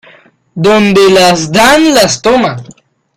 Donde las dan las toman.